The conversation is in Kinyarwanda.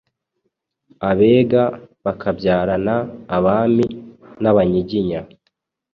Abega bakabyarana Abami n’Abanyiginya.